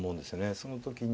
その時に。